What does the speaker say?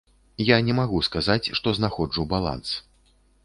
Я не магу сказаць, што знаходжу баланс.